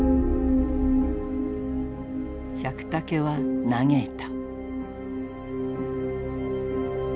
百武は嘆いた。